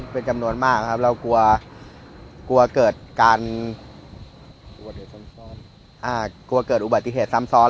เป็นจำนวนมากครับเรากลัวกลัวเกิดการกลัวเกิดอุบัติเหตุซ้ำซ้อน